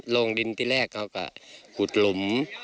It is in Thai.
โรงดินที่แรกก็คุดหลุม